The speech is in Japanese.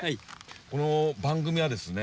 この番組はですね